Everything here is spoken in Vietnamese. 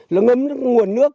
nó ngấm nguồn nước